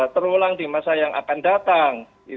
terulang di masa yang akan datang